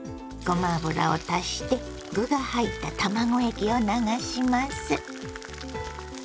ごま油を足して具が入った卵液を流します。